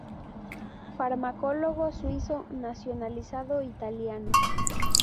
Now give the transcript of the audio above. Farmacólogo suizo nacionalizado italiano.